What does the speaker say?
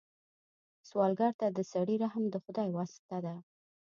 سوالګر ته د سړي رحم د خدای واسطه ده